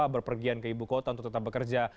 berpergian ke ibu kota untuk tetap bekerja